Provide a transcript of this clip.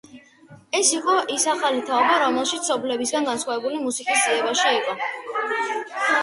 ეს იყო ის ახალი თაობა, რომელიც მშობლებისგან განსხვავებული მუსიკის ძიებაში იყო.